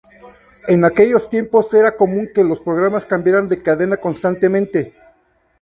En aquellos tiempos era común que los programas cambiaran de cadena constantemente.